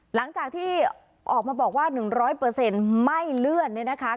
หลังจากที่ออกมาบอกว่า๑๐๐ไม่เลื่อนเนี่ยนะคะ